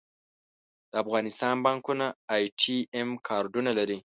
د افغانستان بانکونه اې ټي ایم کارډونه لري